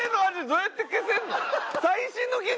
どうやって消せるの？